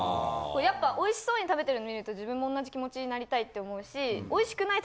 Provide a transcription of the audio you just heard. やっぱ美味しそうに食べてるの見ると自分も同じ気持ちになりたいって思うし。